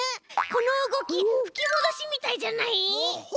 このうごきふきもどしみたいじゃない？